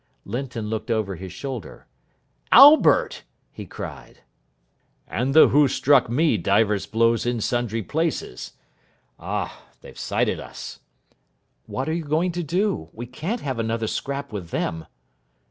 Linton looked over his shoulder. "Albert!" he cried. "And the who struck me divers blows in sundry places. Ah, they've sighted us." "What are you going to do? We can't have another scrap with them."